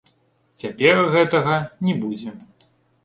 Цяпер гэтага не будзе.